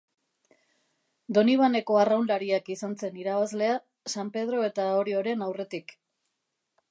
Donibaneko Arraunlariak izan zen irabazlea San Pedro eta Orioren aurretik.